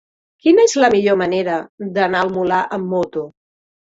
Quina és la millor manera d'anar al Molar amb moto?